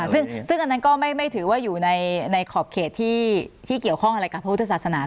ซึ่งอันนั้นก็ไม่ถือว่าอยู่ในขอบเขตที่เกี่ยวข้องอะไรกับพระพุทธศาสนา